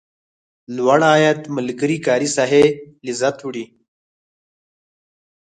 لوړ عاید ملګري کاري ساحې لذت وړي.